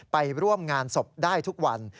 ไปร่วมงานศพได้ทุกวัน